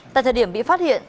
tại thời điểm bị phát hiện